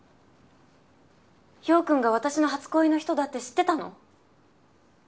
陽君が私の初恋の人だって知ってたの？